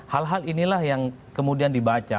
hal hal inilah yang kemudian dibaca